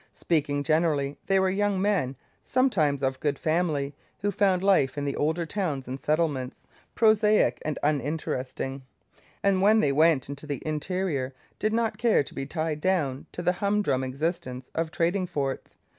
Speaking generally, they were young men, sometimes of good family, who found life in the older towns and settlements prosaic and uninteresting, and when they went to the interior did not care to be tied down to the humdrum existence of the trading forts.